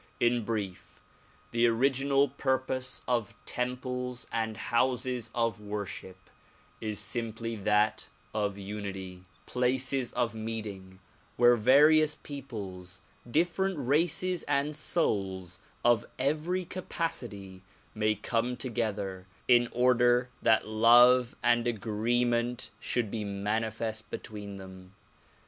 In brief, the original pur pose of temples and houses of worship is simply that of unity; places of meeting where various peoples, different races and souls of every capacity may come together in order that love and agree ment should be manifest between them.